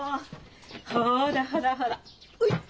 ほらほらほらほい！